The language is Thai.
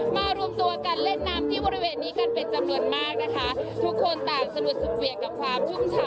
รวมตัวกันเล่นน้ำที่บริเวณนี้กันเป็นจำนวนมากนะคะทุกคนต่างสนุกสุดเวียงกับความชุ่มฉ่ำ